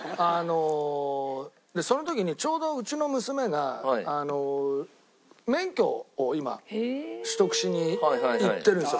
その時にちょうどうちの娘が免許を今取得しに行ってるんですよ